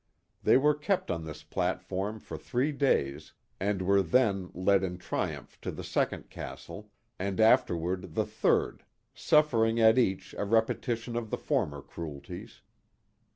They were kept on this platform for three days, and were then led in triumph to the second castle, and afterward the third, suffering at each a repe tition of the former cruelties.